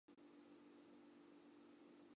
此站在进入线前存在横渡线。